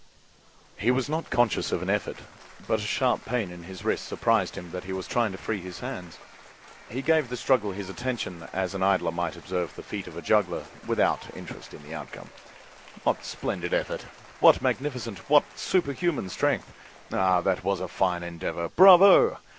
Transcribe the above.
He was not conscious of an effort, but a sharp pain in his wrist apprised him that he was trying to free his hands. He gave the struggle his attention, as an idler might observe the feat of a juggler, without interest in the outcome. What splendid effort!—what magnificent, what superhuman strength! Ah, that was a fine endeavor! Bravo!